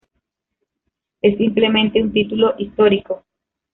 Es simplemente un título histórico.